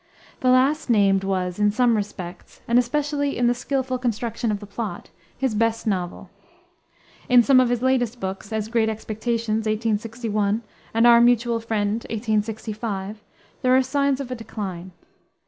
The last named was, in some respects, and especially in the skillful construction of the plot, his best novel. In some of his latest books, as Great Expectations, 1861, and Our Mutual Friend, 1865, there are signs of a decline.